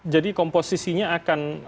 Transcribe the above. jadi komposisinya akan